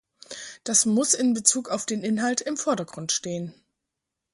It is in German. Das muss in Bezug auf den Inhalt im Vordergrund stehen.